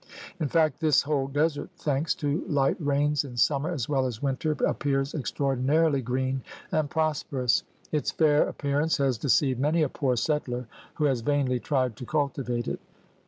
In fact this whole desert, thanks to light rains in summer as well as winter, appears extraordinarily green and prosperous. Its fair appearance has deceived many a poor settler who has vainly tried to cultivate it.